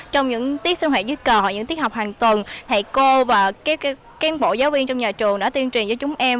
trong những tiết sinh hoạt dưới cờ những tiết học hàng tuần thầy cô và các bộ giáo viên trong nhà trường đã tiên truyền cho chúng em